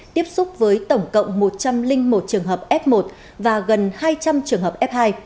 tiếp xúc với tổng cộng một trăm linh một trường hợp f một và gần hai trăm linh trường hợp f hai